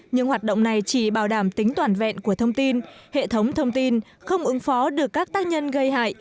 nhưng hoạt động này chỉ bảo đảm tính toàn vẹn của thông tin hệ thống thông tin không ứng phó được các tác nhân gây hại